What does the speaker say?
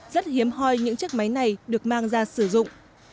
rất hiếm hoi những chiếc máy này được mang ra sử dụng